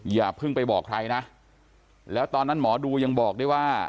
อย่าเพิ่งไปบอกใครนะแล้วตอนนั้นหมอดูยังบอกได้ว่า